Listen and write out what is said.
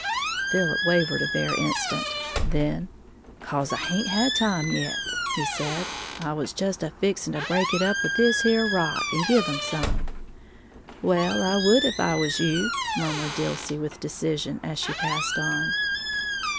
Philip wavered a bare instant, then, "'Cause I haint had time yet," he said, "I was just a fixing to break it up with this here rock, and give 'em some." "Well, I would, if I was you," murmured Dilsey, with decision, as she passed on.